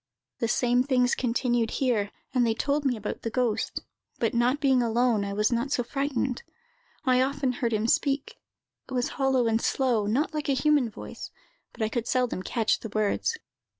The same things continued here, and they told me about the ghost; but not being alone, I was not so frightened. I often heard him speak; it was hollow and slow, not like a human voice; but I could seldom catch the words.